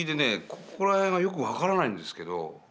ここら辺がよく分からないんですけど。